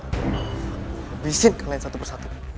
habisin kalian satu persatu